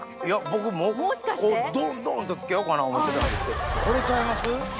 僕もうどんどん！って付けようかな思ってたんですけどこれちゃいます？